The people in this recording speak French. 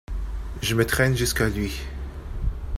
Je me traîne jusqu’à lui.